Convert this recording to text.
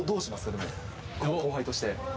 でも後輩として。